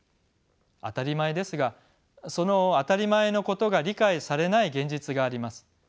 当たり前ですがその当たり前のことが理解されない現実があります。